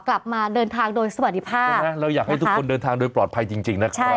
กลับมาเดินทางโดยสวัสดีภาพใช่ไหมเราอยากให้ทุกคนเดินทางโดยปลอดภัยจริงนะครับ